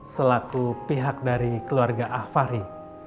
selaku pihak dari keluarga ah fahri